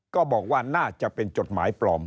ก็บอกว่าน่าจะเป็นจดหมายปลอม